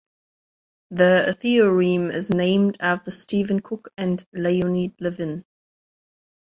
The theorem is named after Stephen Cook and Leonid Levin.